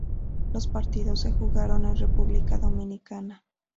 Los partidos se jugaron en República Dominicana.